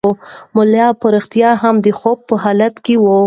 ملا په رښتیا هم د خوب په حالت کې و.